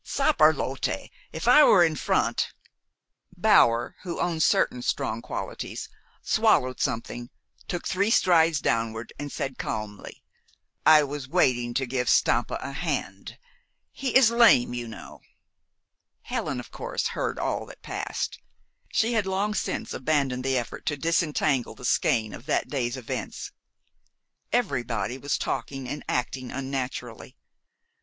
Saperlotte! If I were in front " Bower, who owned certain strong qualities, swallowed something, took three strides downward, and said calmly: "I was waiting to give Stampa a hand. He is lame, you know." Helen, of course, heard all that passed. She had long since abandoned the effort to disentangle the skein of that day's events. Everybody was talking and acting unnaturally.